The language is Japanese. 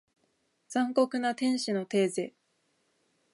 残酷な天使のテーゼ